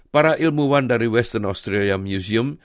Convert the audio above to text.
para ilmuwan dari western austria museum